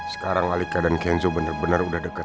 sekarang alika dan kenzo bener bener udah deket